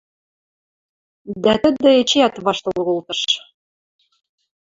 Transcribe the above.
Дӓ тӹдӹ эчеӓт ваштыл нолтыш.